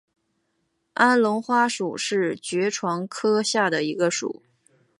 安龙花属是爵床科下的一个属。